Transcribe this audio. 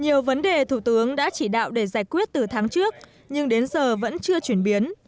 nhiều vấn đề thủ tướng đã chỉ đạo để giải quyết từ tháng trước nhưng đến giờ vẫn chưa chuyển biến